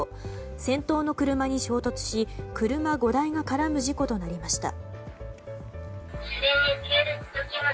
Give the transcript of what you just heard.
先頭の車に衝突し車５台が絡む事故となりました。